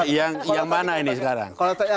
yang mana ini sekarang